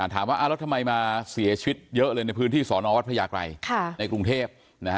ถามว่าแล้วทำไมมาเสียชีวิตเยอะเลยในพื้นที่สอนอวัดพระยากรัยในกรุงเทพ